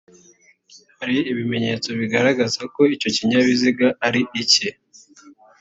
hari ibimenyetso bigaragaza ko icyo kinyabiziga ari icye